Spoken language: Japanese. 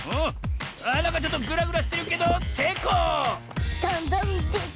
なんかちょっとぐらぐらしてるけどせいこう！